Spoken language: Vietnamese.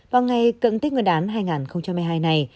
vào ngày cận tết nguyên đán hai nghìn hai mươi hai này